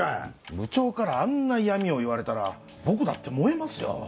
部長からあんな嫌みを言われたら僕だって燃えますよ。